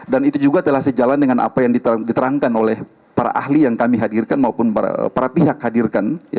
dan itu juga telah sejalan dengan apa yang diterangkan oleh para ahli yang kami hadirkan maupun para pihak hadirkan